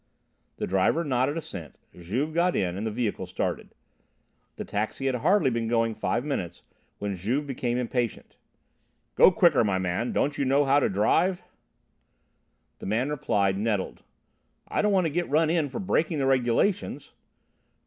The driver nodded assent, Juve got in, and the vehicle started. The taxi had hardly been going five minutes when Juve became impatient. "Go quicker, my man! Don't you know how to drive?" The man replied, nettled: "I don't want to get run in for breaking the regulations."